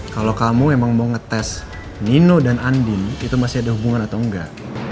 kalau kamu memang mau ngetes nino dan andin itu masih ada hubungan atau enggak